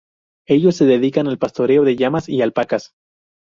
Ellos se dedican al pastoreo de llamas y alpacas.